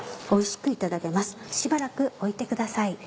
しばらく置いてください。